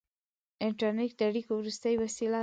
• انټرنېټ د اړیکو وروستۍ وسیله ده.